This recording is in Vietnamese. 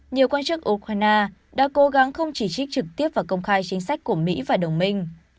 nhiều quan chức ukraine đã cố gắng không chỉ trích trực tiếp và công khai chính sách của mỹ và đồng minh